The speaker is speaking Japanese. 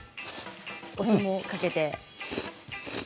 お酢もかけて。